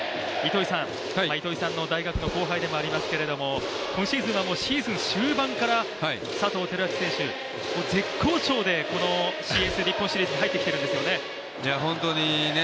糸井さんの大学の後輩でもありますけど今シーズンはシーズン終盤から佐藤輝明選手絶好調で、このＳＭＢＣ日本シリーズ入ってきているんですよね。